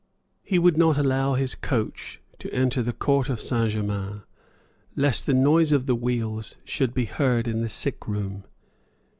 He would not allow his coach to enter the court of Saint Germains, lest the noise of the wheels should be heard in the sick room.